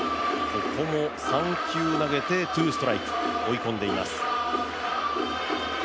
ここも３球投げてツーストライク追い込んでいます。